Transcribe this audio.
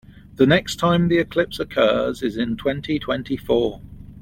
The next time the eclipse occurs is in twenty-twenty-four.